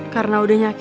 karena udah dikeluarkan